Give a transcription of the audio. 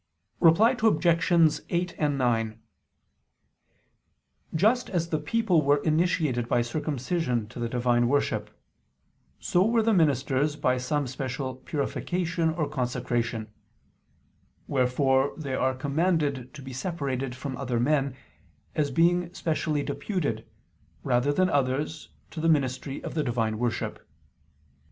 Reply Obj. 8 and 9: Just as the people were initiated by circumcision to the divine worship, so were the ministers by some special purification or consecration: wherefore they are commanded to be separated from other men, as being specially deputed, rather than others, to the ministry of the divine worship.